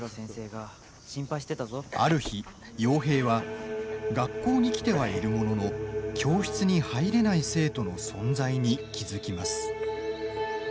ある日、陽平は学校に来てはいるものの教室に入れない生徒の存在に気付きます。